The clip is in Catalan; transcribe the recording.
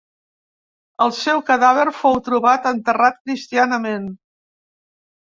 El seu cadàver fou trobat enterrat cristianament.